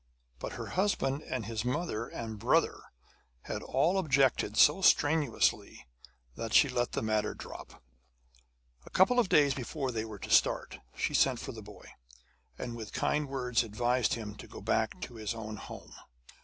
But her husband and his mother and brother had all objected so strenuously that she let the matter drop. A couple of days before they were to start, she sent for the boy, and with kind words advised him to go back to his own home.